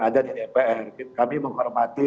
ada di dpr kami menghormati